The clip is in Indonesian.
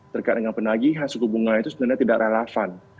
terkait dengan penagihan suku bunga itu sebenarnya tidak relevan